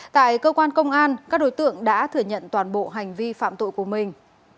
tại cơ quan công an các đối tượng đã thừa nhận toàn bộ hành vi phạm tội của mình